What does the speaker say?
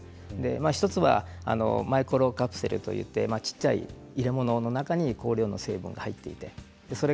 １つはマイクロカプセルといって小さな入れ物の中に香料成分が入っている。